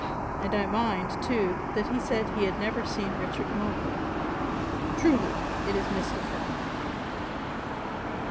And I mind too, that he said he had never seen Richard Mowbray. Truly it is mystifying."